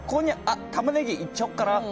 タマネギいっちゃおっかな。